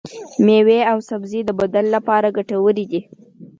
ميوې او سبزي د بدن لپاره ګټورې دي.